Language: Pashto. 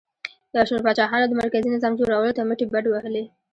یو شمېر پاچاهانو د مرکزي نظام جوړولو ته مټې بډ وهلې